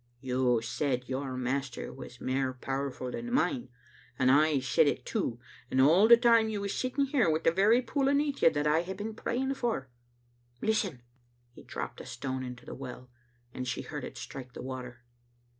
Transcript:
" You said your master was mair powerful than mine, and I said it too, and all the time you was sitting here wi' the very pool aneath you that I have been praying for. Listen !" He dropped a stone into the well, and she heard it strike the water.